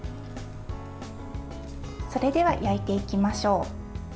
それでは焼いていきましょう。